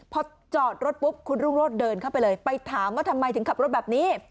พอจอดรถปุ๊บคุณรุ่งโรธเดินเข้าไปเลยไปถามว่าทำไมถึงขับรถแบบนี้